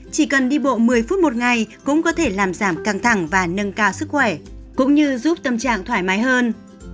chỉ cần đi bộ một mươi phút một ngày cũng có thể làm giảm căng thẳng và nâng cao sức khỏe cũng như giúp tâm trạng thoải mái hơn